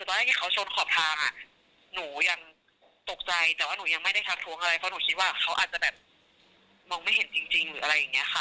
ตอนที่เขาชนขอบทางอ่ะหนูยังตกใจแต่ว่าหนูยังไม่ได้ทักท้วงอะไรเพราะหนูคิดว่าเขาอาจจะแบบมองไม่เห็นจริงหรืออะไรอย่างนี้ค่ะ